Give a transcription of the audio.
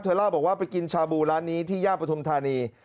เล่าบอกว่าไปกินชาบูร้านนี้ที่ย่าปฐุมธานี